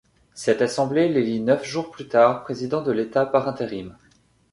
Cette assemblée l'élit neuf jours plus tard président de l’État par intérim.